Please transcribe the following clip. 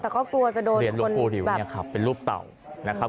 แต่เขากลัวจะโดนเป็นรูปเต่านะครับ